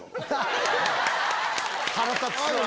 腹立つわ。